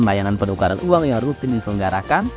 layanan penukaran uang yang rutin diselenggarakan